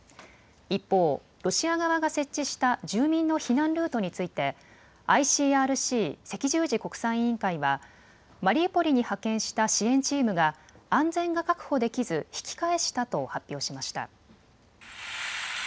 一方、ロシア側が設置した住民の避難ルートについてＩＣＲＣ・赤十字国際委員会はマリウポリに派遣した支援チームが安全が確保できず引き返したと発表しました。